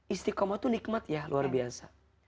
istiqomah itu nikmat ya luar biasa